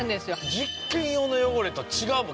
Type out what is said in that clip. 実験用の汚れと違うもん。